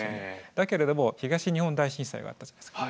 だけれども東日本大震災があったじゃないですか。